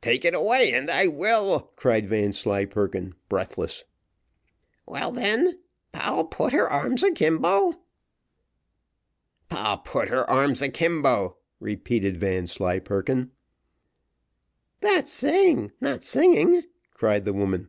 "Take it away, and I will," cried Vanslyperken, breathless. "Well then, 'Poll put her arms a kimbo.'" "'Poll put her arms a kimbo,'" repeated Vanslyperken. "That's saying, not singing," cried the woman.